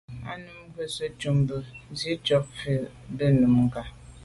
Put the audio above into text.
Á nǔm rə̂ jû zə̄ à' cûp bí gə́ zî cû vút gí bú Nùngà.